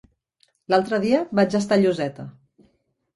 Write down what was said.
L'altre dia vaig estar a Lloseta.